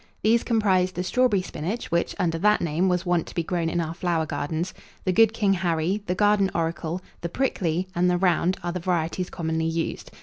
These comprise the Strawberry spinach, which, under that name, was wont to be grown in our flower gardens; the Good King Harry, the Garden Oracle, the Prickly, and the Round, are the varieties commonly used.